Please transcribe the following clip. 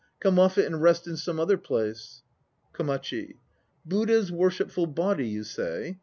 Come off it and rest in some other place. KOMACHI. Buddha's worshipful body, you say?